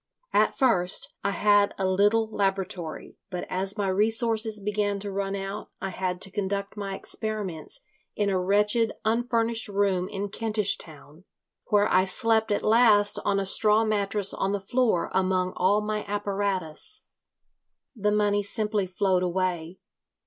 At first I had a little laboratory, but as my resources began to run out I had to conduct my experiments in a wretched unfurnished room in Kentish Town, where I slept at last on a straw mattress on the floor among all my apparatus. The money simply flowed away.